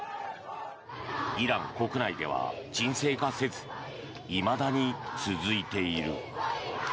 イラン国内では沈静化せずいまだに続いている。